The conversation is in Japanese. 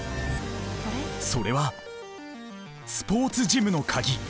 それはスポーツジムの鍵